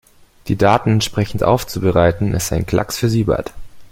Die Daten entsprechend aufzubereiten, ist ein Klacks für Siebert.